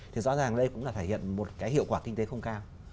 thì rõ ràng đây cũng là thể hiện một cái hiệu quả kinh tế không cao